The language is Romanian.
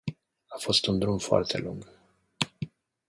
A fost un drum foarte lung.